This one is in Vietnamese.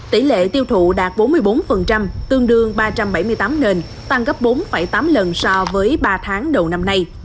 tỷ lệ tiêu thụ đạt bốn mươi bốn tương đương ba trăm bảy mươi tám nền tăng gấp bốn tám lần so với ba tháng đầu năm nay